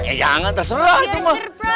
ya jangan terserah